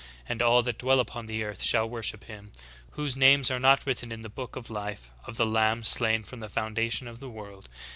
And all that dwell upon the earth shall worship him, whose names are not written in the book of life of the Lamb slain from the foundation of the world.